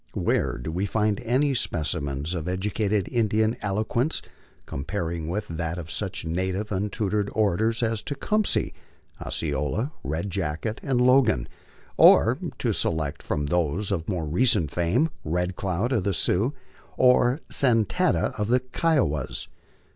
Where do we find any specimens of educated Indian eloquence comparing with that of such native, untutored orators as Tecumseh, Osceola, Red Jacket, and Logan ; or, to select from those of more recent fame, Red Cloud of the Sioux, or Sa tan ta of the Kiowas?